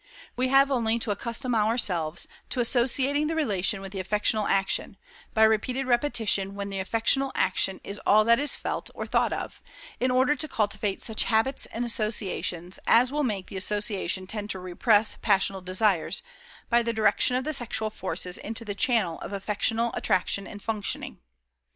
We have only to accustom ourselves to associating the relation with the affectional action, by repeated repetition when the affectional action is all that is felt or thought of, in order to cultivate such habits and associations as will make the association tend to REPRESS passional desires, by the direction of the sexual forces into the channel of affectional attraction and functioning.